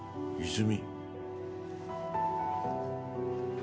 泉。